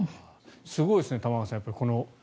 すごいですね、玉川さん。